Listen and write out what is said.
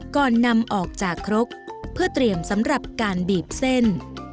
ก่อนนำออกจากครกเพื่อเตรียมสำหรับการบีบเส้น